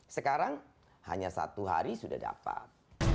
sekarang hanya satu hari sudah dapat